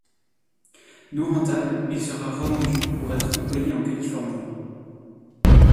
Non rentable, il sera revendu pour être employé en Californie.